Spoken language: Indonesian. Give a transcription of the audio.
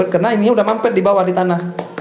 karena ini udah mampet di bawah di tanah